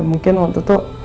mungkin waktu itu